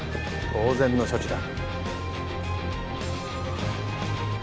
当然の処置だ。